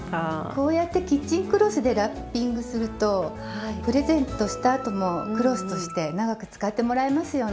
こうやってキッチンクロスでラッピングするとプレゼントしたあともクロスとして長く使ってもらえますよね。